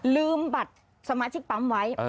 ลืมบัตรสมาชิกปั๊มไว้